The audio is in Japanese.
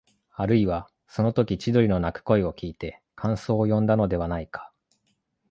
あるいは、そのとき千鳥の鳴く声をきいて感想をよんだのではないか、